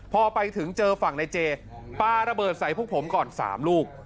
พอไปถึงเจอฝั่งในเจปาระเบิดใส่พวกผมก่อน๓ลูก